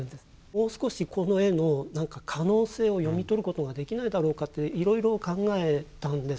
もう少しこの絵のなんか可能性を読み取ることができないだろうかっていろいろ考えたんです。